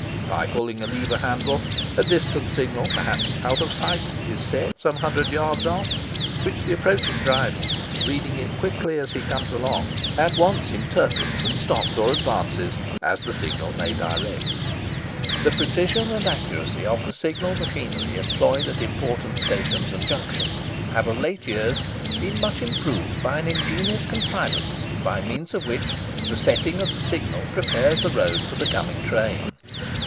By pulling a lever handle, a distant signal, perhaps out of sight, is set some hundred yards off, which the approaching driver—reading it quickly as he comes along—at once interprets, and stops or advances as the signal may direct. The precision and accuracy of the signal machinery employed at important stations and junctions have of late years been much improved by an ingenious contrivance, by means of which the setting of the signal prepares the road for the coming train.